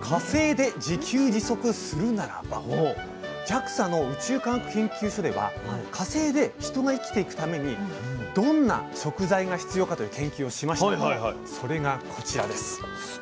ＪＡＸＡの宇宙科学研究所では火星で人が生きていくためにどんな食材が必要かという研究をしましてそれがこちらです。